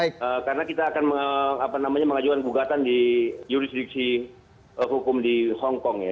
karena kita akan mengajukan gugatan di jurisdiksi hukum di hongkong ya